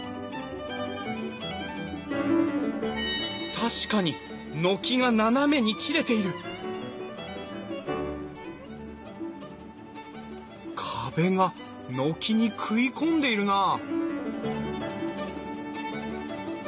確かに軒が斜めに切れている壁が軒に食い込んでいるなあ